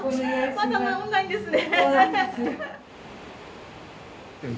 まだ治んないんですね。